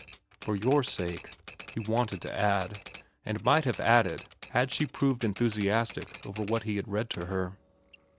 "For your sake," he wanted to add, and might have added had she proved enthusiastic over what he had read to her.